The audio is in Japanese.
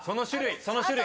その種類。